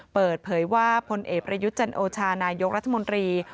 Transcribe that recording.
เปิดเผยว่าพลเอกประยุทธ์จันโอชานายกรัฐมนตรี